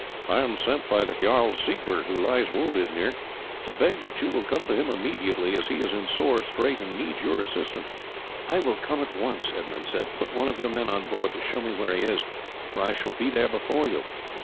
"I am sent by the Jarl Siegbert, who lies wounded near, to beg that you will come to him immediately, as he is in a sore strait and needs your assistance." "I will come at once," Edmund said. "Put one of your men on board to show me where he is, for I shall be there before you."